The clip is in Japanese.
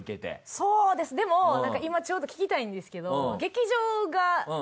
そうでも今ちょうど聞きたいんですけど。